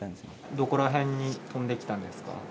どこら辺に飛んできたんですか？